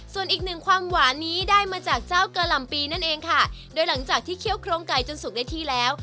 ส่วนอีกหนึ่งความหวานนี้ได้มาจากเจ้ากะหล่ำปีนั่นเองค่ะโดยหลังจากที่เคี่ยวโครงไก่จนสุกได้ที่แล้ว